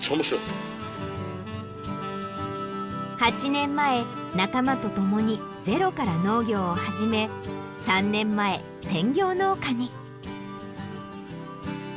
８年前仲間とともにゼロから農業を始め３年前専業農家に。